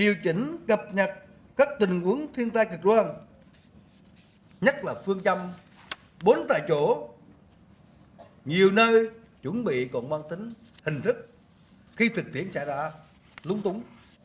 điều chỉnh cập nhật các tình huống thiên tai cực đoan nhất là phương châm bốn tại chỗ nhiều nơi chuẩn bị còn mang tính hình thức khi thực tiễn xảy ra lúng túng